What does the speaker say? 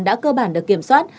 đã cơ bản được kiểm soát